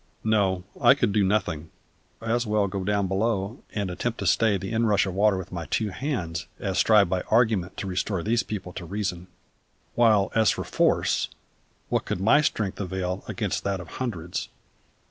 No, I could do nothing: as well go down below and attempt to stay the inrush of water with my two hands, as strive by argument to restore those people to reason; while, as for force, what could my strength avail against that of hundreds?